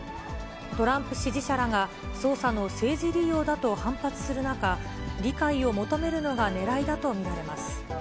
トランプ支持者らが、捜査の政治利用だと反発する中、理解を求めるのがねらいだと見られます。